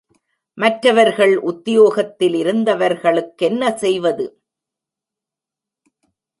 மற்றவர்கள் உத்தியோகத்திலிருந்தவர்களுக்கென்ன செய்வது?